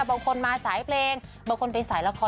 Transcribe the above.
บางคนมาสายเพลงบางคนไปสายละคร